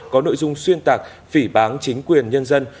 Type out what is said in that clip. có nội dung xuyên tạc phỉ bán chính quyền nhân dân